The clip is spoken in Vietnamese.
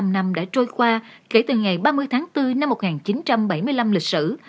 bảy mươi năm năm đã trôi qua kể từ ngày ba mươi tháng bốn năm một nghìn chín trăm bảy mươi năm lịch sử